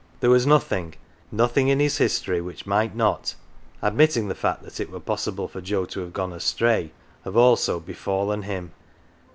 There was nothing, nothing in his history which might not admitting the fact that it were possible for Joe to have gone astray have also befallen him.